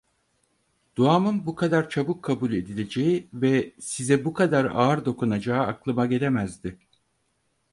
Duamın bu kadar çabuk kabul edileceği ve size bu kadar ağır dokunacağı aklıma gelemezdi…